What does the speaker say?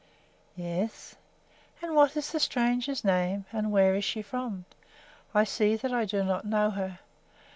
"Yes." "And what is the stranger's name, and where is she from? I see that I do not know her."